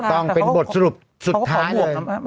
ต้องเป็นบทสรุปสุดท้ายเลย